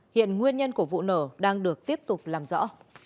hiện nguyên nhân của vụ nổ đang được tiếp tục làm rõ